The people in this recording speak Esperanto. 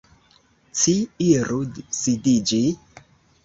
Ci iru sidiĝi.